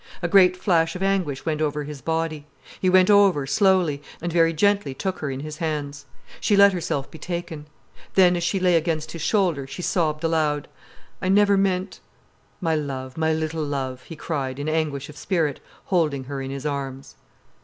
A great flash of anguish went over his body. He went over, slowly, and very gently took her in his hands. She let herself be taken. Then as she lay against his shoulder, she sobbed aloud: "I never meant——" "My love—my little love——" he cried, in anguish of spirit, holding her in his arms.